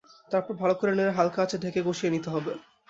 তারপর ভালো করে নেড়ে হালকা আঁচে ঢেকে কষিয়ে নিতে হবে।